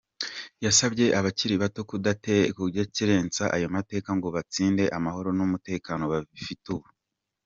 Yasabye abakiri bato kudakerensa ayo mateka, ngo basinde amahoro n’umutekano bafite ubu.